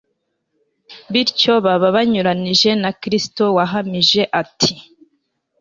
Bityo baba banyuranije na Kristo wahamije ati :